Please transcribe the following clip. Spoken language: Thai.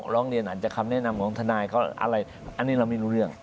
ร้องเรียนอาจจะคำแนะนำของทนายเขาอะไรอันนี้เราไม่รู้เรื่อง